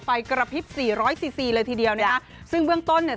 ไฟกระพริบสี่ร้อยซีซีเลยทีเดียวนะคะซึ่งเบื้องต้นเนี่ย